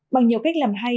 bằng nhiều cách làm hay